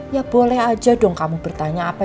ya boleh aja dong kamu bertanya apa